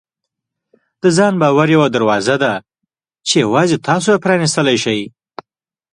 د ځان باور یوه دروازه ده چې یوازې تاسو یې پرانیستلی شئ.